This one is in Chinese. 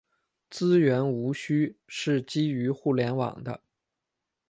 资源无需是基于互联网的。